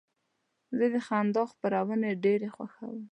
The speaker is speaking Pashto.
زه د خندا خپرونې ډېرې خوښوم.